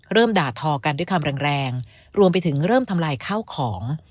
เริ่มด่าทอกันด้วยคำแรงรวมไปถึงเริ่มทำลายข้าวของ